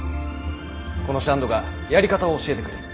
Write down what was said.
このシャンドがやり方を教えてくれる。